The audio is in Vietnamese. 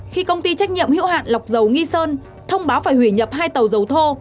khi công ty trách nhiệm hiệu hạn lọc dầu nghi sơn thông báo phải hủy nhập hai tàu dầu thô